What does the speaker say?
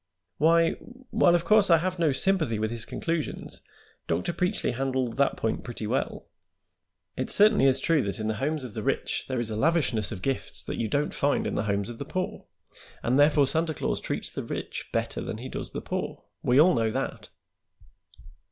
"Why, while of course I have no sympathy with his conclusions, Dr. Preachly handled that point pretty well. It certainly is true that in the homes of the rich there is a lavishness of gifts that you don't find in the homes of the poor, and therefore Santa Claus treats the rich better than he does the poor. We all know that."